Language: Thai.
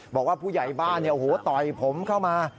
บอกว่าผู้ใหญ่บ้านต่อยผมเข้ามา